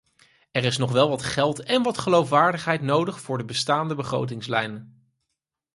Er is nog wel wat geld en wat geloofwaardigheid nodig voor de bestaande begrotingslijn.